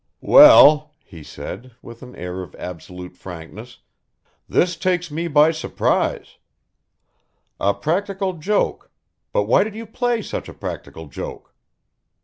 "Well," he said, with an air of absolute frankness, "this takes me by surprise; a practical joke, but why did you play such a practical joke?"